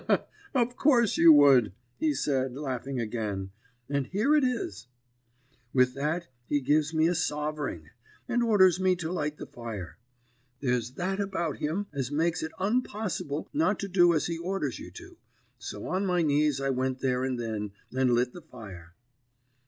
"'Of course you would,' he said, laughing again, 'and here it is.' "With that he gives me a sovering, and orders me to light the fire. There's that about him as makes it unpossible not to do as he orders you to, so on my knees I went there and then, and lit the fire.